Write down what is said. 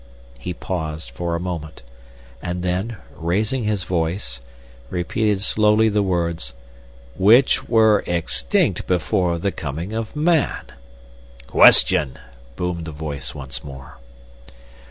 He paused for a moment, and then, raising his voice, repeated slowly the words: "Which were extinct before the coming of man." "Question!" boomed the voice once more.